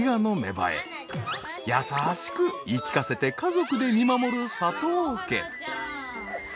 優しく言い聞かせて家族で見守る佐藤家。